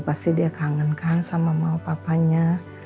pasti dia kangen kan sama mau papanya